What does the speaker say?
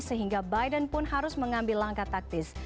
sehingga biden pun harus mengambil langkah taktis